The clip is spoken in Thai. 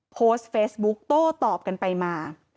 โพสต์เฟซบุ๊กโต้ตอบกันไปมา